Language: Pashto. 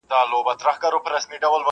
د ابوجهل د غرور په اجاره ختلی-